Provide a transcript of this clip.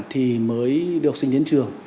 thì mới đưa học sinh đến trường